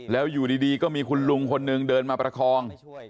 แล้วอยู่ดีก็มีคุณลุงคนหนึ่งเดินมาประคอง